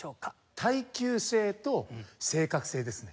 耐久性と正確性ですね。